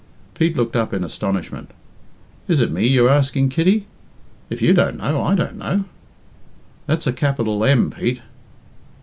Pete looked up in astonishment. "Is it me you're asking, Kitty? If you don't know, I don't know." "That's a capital M, Pete."